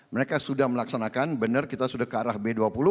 mereka sudah melaksanakan benar kita sudah ke arah b dua puluh